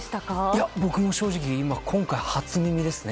いや、僕も正直今回、初耳ですね。